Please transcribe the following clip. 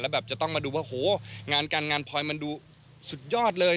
แบบจะต้องมาดูว่าโหงานการงานพลอยมันดูสุดยอดเลย